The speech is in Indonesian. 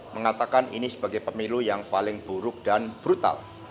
mengatakan ini sebagai pemilu yang paling buruk dan brutal